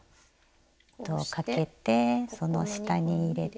糸をかけてその下に入れて。